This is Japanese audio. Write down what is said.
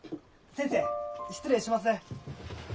・先生失礼します。